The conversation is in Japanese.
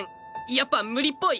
やっぱ無理っぽい！